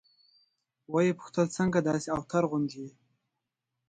ويې پوښتل څنگه داسې اوتر غوندې يې.